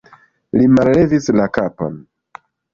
Li mallevis la kapon.